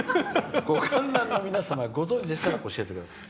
ご観覧の皆様ご存じでしたら教えてください」。